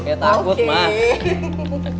ya takut mah